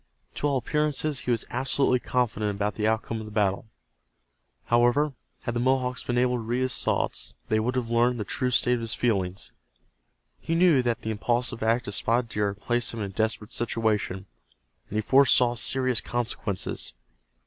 To all appearances he was absolutely confident about the outcome of the battle. However, had the Mohawks been able to read his thoughts they would have learned the true state of his feelings. He knew that the impulsive act of Spotted Deer had placed them in a desperate situation, and he foresaw serious consequences.